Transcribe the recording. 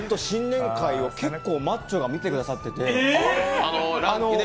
新年会を結構マッチョが見てくださってて。